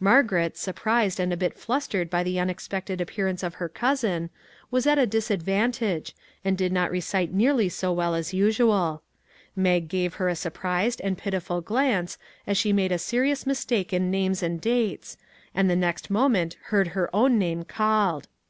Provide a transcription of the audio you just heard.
Margaret, surprised and a bit fluttered by the unexpected appear ance of her cousin, was at a disadvantage, and did not recite nearly so well as usual. Mag gave her a surprised and pitiful glance as she made a serious mistake in names and dates, and the next moment heard her own name 353 MAG AND MARGARET called.